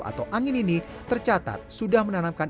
atau angin ini tercatat sudah menanamkan